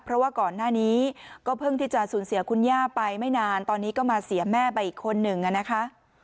เพราะว่าก่อนหน้านี้ก็เพิ่งที่จะสูญเสียคุณย่าไปไม่นานตอนนี้ก็มาเสียแม่ไปอีกคนหนึ่งนะคะ